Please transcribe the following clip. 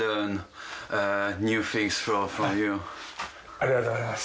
ありがとうございます。